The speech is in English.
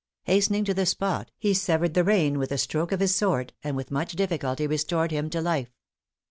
Hastening to the spot, he severed the rein with a stroke of his sword, and with much difficulty restored him to life.